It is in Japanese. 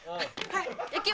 はい。